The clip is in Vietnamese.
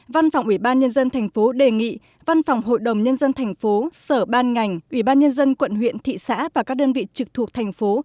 văn phòng ubnd tp đề nghị văn phòng hội đồng nhân dân tp sở ban ngành ubnd quận huyện thị xã và các đơn vị trực thuộc thành phố